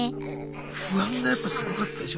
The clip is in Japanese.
不安がやっぱすごかったでしょ